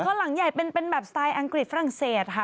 เพราะหลังใหญ่เป็นแบบสไตล์อังกฤษฝรั่งเศสค่ะ